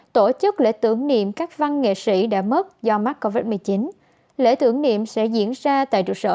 tổ chức lễ tưởng niệm các văn nghệ sĩ đã mất do mắc covid một mươi chín lễ tưởng niệm sẽ diễn ra tại trụ sở